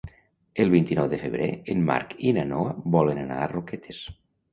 El vint-i-nou de febrer en Marc i na Noa volen anar a Roquetes.